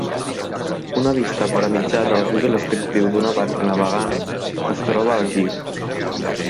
Una vista a per mitjà del Google Street View d'una barca navegant es troba aquí.